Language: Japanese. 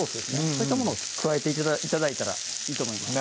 そういったものを加えて頂いたらいいと思います